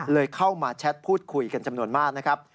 เข้ามาแชทพูดคุยกันจำนวนมากนะครับ